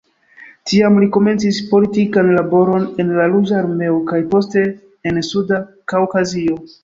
Tiam li komencis politikan laboron en la Ruĝa Armeo kaj poste en Suda Kaŭkazio.